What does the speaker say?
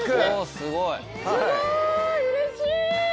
すごいうれしい！